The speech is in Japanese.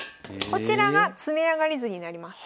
こちらが詰み上がり図になります。